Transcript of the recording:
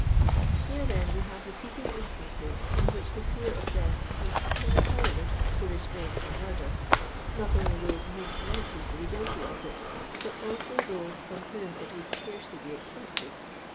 Here then we have repeated instances in which the fear of death was utterly powerless to restrain from murder, not only those mos^ likely to be guilty of it, but also those from whom it would scarcely be expected.